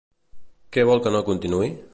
Què vol que no continuï?